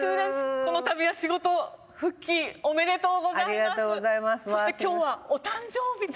この度は仕事復帰おめでとうございます。